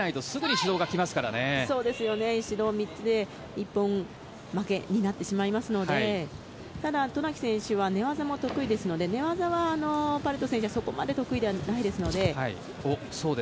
指導３つで一本負けになってしまいますのでただ、渡名喜選手は寝技も得意ですので寝技はパレト選手はそこまで得意ではないので。